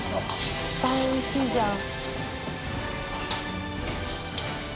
絶対おいしいじゃん。